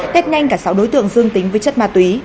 tết nhanh cả sáu đối tượng dương tính với chất ma túy